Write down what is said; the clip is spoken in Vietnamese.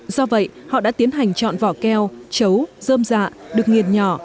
do vậy họ đã tiến hành chọn vỏ keo chấu dơm dạ được nghiền nhỏ